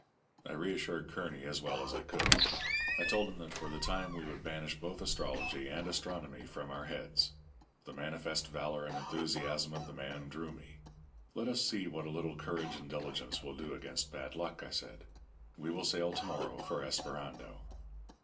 "I reassured Kearny as well as I could. I told him that for the time we would banish both astrology and astronomy from our heads. The manifest valour and enthusiasm of the man drew me. 'Let us see what a little courage and diligence will do against bad luck,' I said. 'We will sail to morrow for Esperando.'